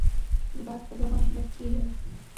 بات عزم اور ہمت کی ہے۔